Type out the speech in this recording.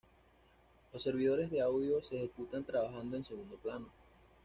Los servidores de audio se ejecutan trabajando en segundo plano.